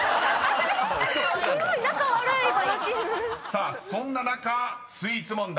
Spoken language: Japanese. ［さあそんな中スイーツ問題］